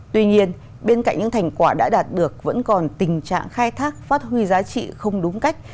tuy nhiên bên cạnh những thành quả đã đạt được vẫn còn tình trạng khai thác phát huy giá trị không đúng cách